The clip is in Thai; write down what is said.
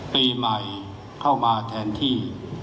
ปีใหม่เข้ามาแทนที่